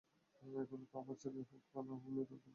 এখন ও তোমার ছেলে হোক বা না হোক, মেরে ওকে ভর্তা বানাবোই!